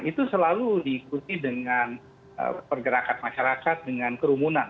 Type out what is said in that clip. itu selalu diikuti dengan pergerakan masyarakat dengan kerumunan